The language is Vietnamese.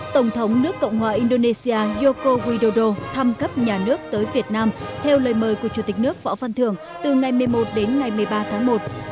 tổng thống nước cộng hòa indonesia yoko widodo thăm cấp nhà nước tới việt nam theo lời mời của chủ tịch nước võ văn thường từ ngày một mươi một đến ngày một mươi ba tháng một